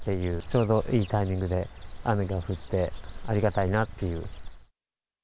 ちょうどいいタイミングで雨が降って、ありがたいなっていう。